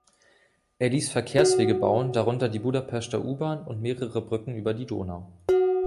Er ließ Verkehrswege bauen, darunter die Budapester U-Bahn und mehrere Brücken über die Donau.